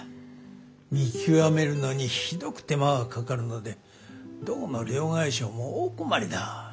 見極めるのにひどく手間がかかるのでどこの両替商も大困りだ。